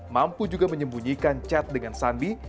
mampu juga menyembunyikan cat dengan sandi